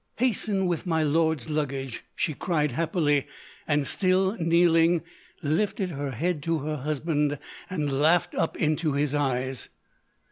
"Hasten with my lord's luggage!" she cried happily; and, still kneeling, lifted her head to her husband and laughed up into his eyes.